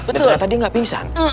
dan ternyata dia gak pingsan